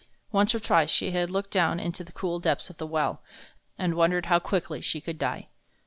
Once or twice she had looked down into the cool depths of the well, and wondered how quickly she could die.